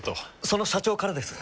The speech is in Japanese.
その社長からです。